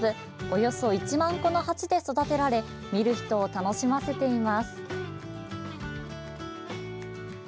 およそ１万個の鉢で育てられ見る人を楽しませています。